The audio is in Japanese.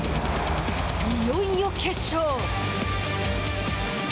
いよいよ決勝。